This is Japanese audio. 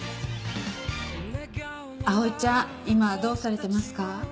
葵ちゃん今はどうされてますか？